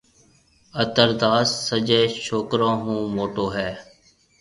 اتر داس سجيَ ڇوڪرون هون موٽو هيَ۔